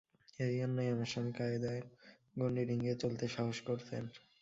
এইজন্যেই আমার স্বামী কায়দার গণ্ডি ডিঙিয়ে চলতে সাহস করতেন।